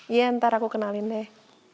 iya ntar aku kenalin deh